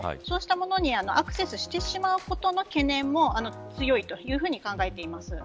そうしたものにアクセスしてしまうことの懸念も強いというふうに考えています。